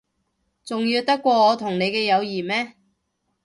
重要得過我同你嘅友誼咩？